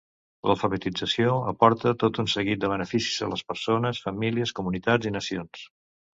L'alfabetització aporta tot un seguit de beneficis a les persones, famílies, comunitats i nacions.